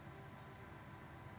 lebih baik menghubungi kemana